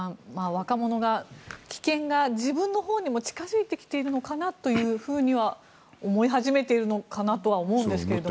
若者が危険が自分のほうにも近付いてきているのかなというふうには思い始めているのかなとは思うんですけど。